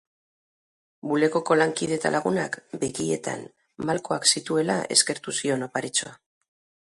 Bulegoko lankide eta lagunak begietan malkoak zituela eskertu zion oparitxoa.